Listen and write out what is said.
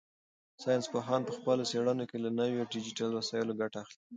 ساینس پوهان په خپلو څېړنو کې له نویو ډیجیټل وسایلو ګټه اخلي.